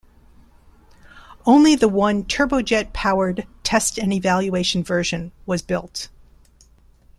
Only the one turbojet-powered test and evaluation version was built.